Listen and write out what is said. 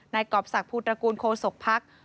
กรอบศักดิภูตระกูลโคศกภักดิ์